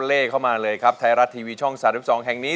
เลขเข้ามาเลยครับไทยรัตทีวีช่องสามสิบสองแห่งนี้